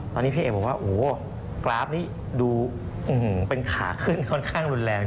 ตอนนี้พี่เอกบอกว่าโอ้โหกราฟนี้ดูเป็นขาขึ้นค่อนข้างรุนแรง